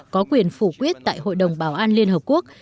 có quyền phủ quyết tại hội đồng bảo an liên hợp quốc